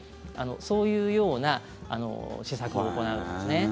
そういうような施策を行うんですね。